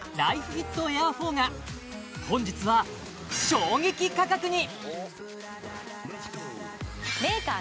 フィットエアー４が本日は衝撃価格に！